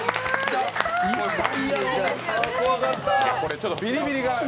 ちょっとビリビリがね。